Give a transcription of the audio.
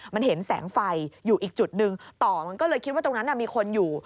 มันเห็นแสงไฟอยู่อีกจุดหนึ่งต่อมันก็เลยคิดว่าตรงนั้นมีคนอยู่